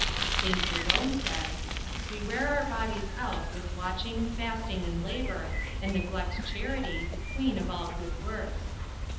St. Jerome says: "We wear our bodies out with watching, fasting, and labor and neglect charity, the queen of all good works."